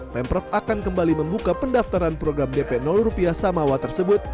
pemprov akan kembali membuka pendaftaran program dp rupiah samawa tersebut